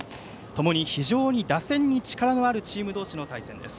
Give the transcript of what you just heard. ともに非常に打線に力のあるチーム同士の対戦です。